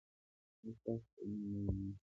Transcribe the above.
ایا ستاسو څیړنې نوې نه دي؟